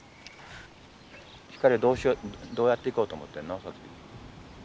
光はどうしようどうやっていこうと思ってんの？